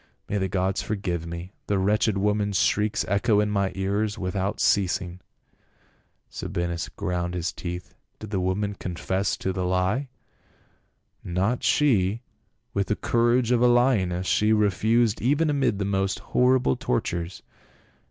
May the gods forgive me, the wretched woman's shrieks echo in my ears without ceasing." Sabinus ground his teeth. " Did the woman con fess to the lie ?"" Not she ; with the courage of a lioness, she refused even amid the most horrible tortures.